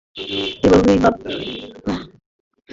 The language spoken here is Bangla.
কেবল দুই বাপ, ফকির এবং শিশুরা ঘরে রহিল।